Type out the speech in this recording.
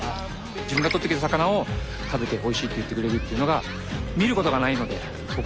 自分がとってきた魚を食べておいしいって言ってくれるっていうのが見ることがないので僕たち漁師は。